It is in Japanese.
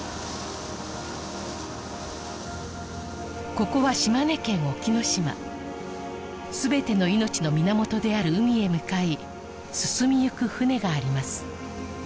ここは島根県隠岐の島すべての命の源である海へ向かい進みゆく船があります